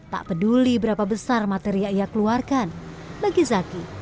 tak peduli berapa besar materi yang ia keluarkan bagi zaki